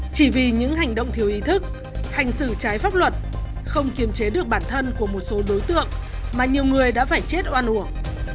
chỉ vì những hành động thiếu ý thức hành xử trái pháp luật không kiềm chế được bản thân của một số đối tượng mà nhiều người đã phải chết oan uổng